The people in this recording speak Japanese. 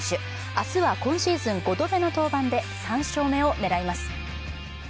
明日は今シーズン５度目の登板で３勝目を狙います。